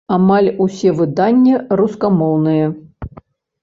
Амаль усе выданні рускамоўныя.